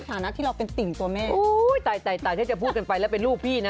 ฐานะที่เราเป็นติ่งตัวแม่โอ้ยตายถ้าจะพูดกันไปแล้วเป็นลูกพี่นะ